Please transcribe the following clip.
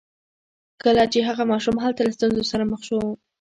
کله چې هغه ماشوم هلته له ستونزو سره مخ شو